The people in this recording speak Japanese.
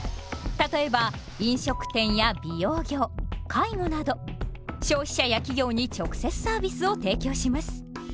例えば飲食店や美容業介護など消費者や企業に直接サービスを提供します。